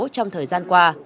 trong thời gian qua